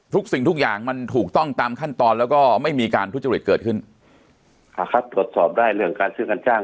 สิ่งทุกอย่างมันถูกต้องตามขั้นตอนแล้วก็ไม่มีการทุจริตเกิดขึ้นครับตรวจสอบได้เรื่องการซื้อการจ้าง